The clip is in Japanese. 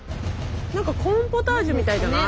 何かコーンポタージュみたいじゃない？ね。